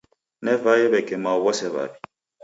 Navae w'eke mao w'ose w'aw'i.